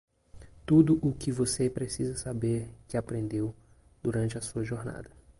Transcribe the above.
Tudo o que você precisa saber que aprendeu durante a sua jornada.